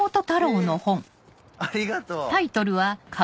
えありがとう。